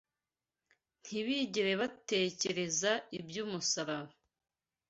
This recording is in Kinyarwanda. ntibigere batekereza iby’umusaraba.